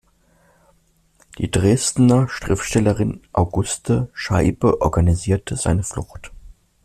Die Dresdner Schriftstellerin Auguste Scheibe organisierte seine Flucht.